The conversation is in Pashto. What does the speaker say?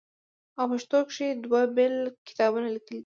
او پښتو کښې دوه بيل کتابونه ليکلي دي